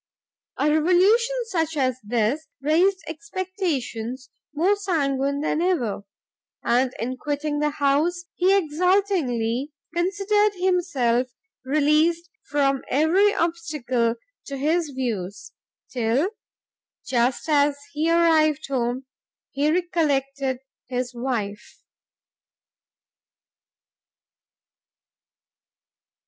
A revolution such as this, raised expectations more sanguine than ever; and in quitting the house, he exultingly considered himself released from every obstacle to his views till, just as he arrived home, he recollected his wife!